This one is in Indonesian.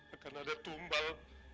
akan ada tumbal